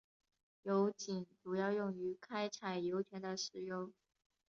油井主要用于开采油田的石油。